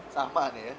sama nih ya